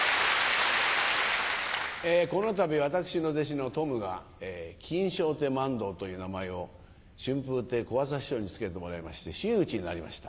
このたび私の弟子のとむが「錦笑亭満堂」という名前を春風亭小朝師匠に付けてもらいまして真打ちになりました。